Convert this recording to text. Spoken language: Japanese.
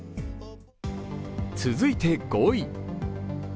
続いて５位。